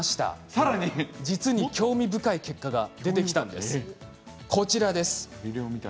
さらに実に興味深い結果が出てきました。